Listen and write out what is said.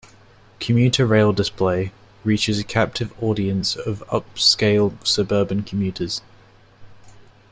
Commuter rail display - Reaches a captive audience of upscale suburban commuters.